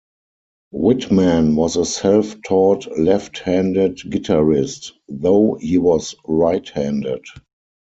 Whitman was a self-taught left-handed guitarist, though he was right-handed.